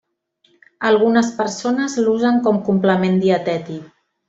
Algunes persones l'usen com complement dietètic.